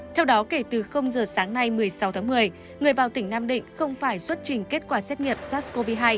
theo đó kể từ giờ sáng nay một mươi sáu tháng một mươi người vào tỉnh nam định không phải xuất trình kết quả xét nghiệm sars cov hai